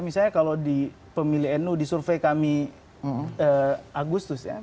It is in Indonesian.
misalnya kalau di pemilih nu di survei kami agustus ya